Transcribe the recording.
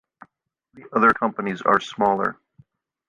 The other companies are smaller.